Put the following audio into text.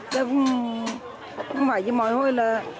chứ không phải như mỗi hồi là